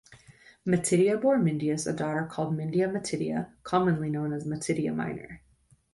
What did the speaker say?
Matidia bore Mindius a daughter called Mindia Matidia, commonly known as Matidia Minor.